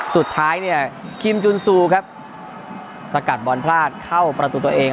สุดท้ายเนี่ยคิมจุนซูครับสกัดบอลพลาดเข้าประตูตัวเอง